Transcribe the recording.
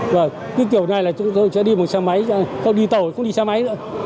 cái kiểu này là tôi sẽ đi một xe máy không đi xe máy nữa